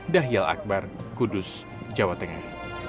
dahil akbar kudus jawa tengah